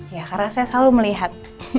ya karena saya selalu melihat